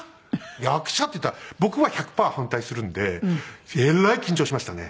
役者って言ったら僕は１００パー反対するのでえらい緊張しましたね。